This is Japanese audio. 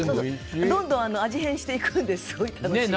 どんどん味変していくんですよ。